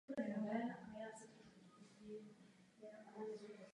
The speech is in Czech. Všeobecně je pokládána za obtížný a rychle se šířící plevel.